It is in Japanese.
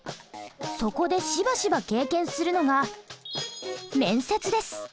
そこでしばしば経験するのが面接です。